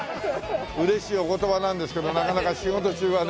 嬉しいお言葉なんですけどなかなか仕事中はね。